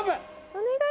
お願い